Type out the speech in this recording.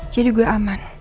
jadi gue aman